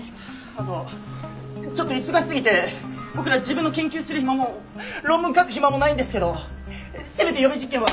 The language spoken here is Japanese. あのちょっと忙しすぎて僕ら自分の研究する暇も論文書く暇もないんですけどせめて予備実験は。